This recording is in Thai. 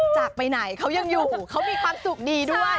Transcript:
จากไปไหนเขายังอยู่เขามีความสุขดีด้วย